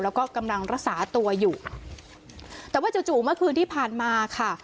แล้วก็กำลังรักษาตัวอยู่แต่ว่าจู่จู่เมื่อคืนที่ผ่านมาค่ะ